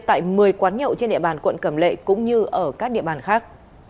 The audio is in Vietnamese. tại một mươi quán nhậu trên địa bàn quận cẩm lệ cũng như ở các địa bàn khác